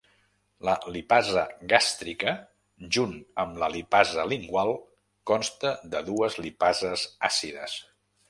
La lipasa gàstrica junt amb la lipasa lingual, consta de dues lipases àcides.